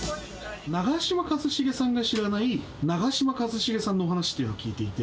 長嶋一茂さんが知らない、長嶋一茂さんのお話っていうのを聞いていて。